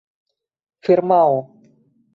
firmao